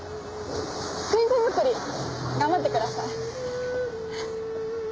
クイズ作り頑張ってください。